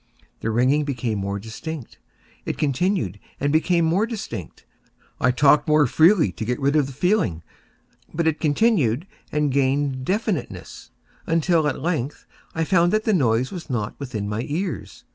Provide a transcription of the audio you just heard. The ringing became more distinct:—it continued and became more distinct: I talked more freely to get rid of the feeling: but it continued and gained definiteness—until, at length, I found that the noise was not within my ears.